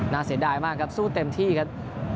เสียดายมากครับสู้เต็มที่ครับ